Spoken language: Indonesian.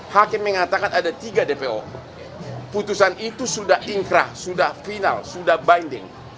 hakim mengatakan ada tiga dpo putusan itu sudah ingkrah sudah final sudah binding